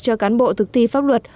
cho cán bộ thực thi pháp luật